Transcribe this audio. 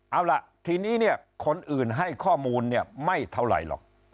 เอาล่ะทีนี้เนี่ยคนอื่นให้ข้อมูลเนี่ยไม่เท่าไหร่หรอก